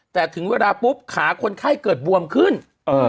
แต่ถึงเวลาปุ๊บขาคนไข้เกิดบวมขึ้นเออ